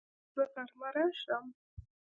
ایا زه غرمه راشم؟